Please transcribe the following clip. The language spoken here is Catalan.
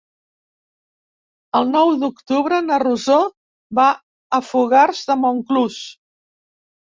El nou d'octubre na Rosó va a Fogars de Montclús.